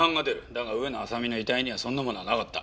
だが上野亜沙美の遺体にはそんなものはなかった。